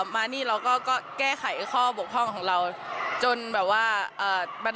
มานี่เราก็แก้ไขข้อบกพร่องของเราจนแบบว่าเอ่อมัน